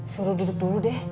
suruh duduk dulu deh